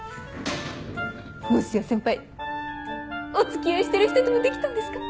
もしや先輩お付き合いしてる人でもできたんですか？